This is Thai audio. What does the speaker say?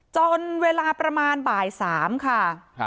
จนเวลาประมาณบ่าย๓ค่ะ